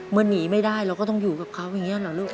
หนีไม่ได้เราก็ต้องอยู่กับเขาอย่างนี้เหรอลูก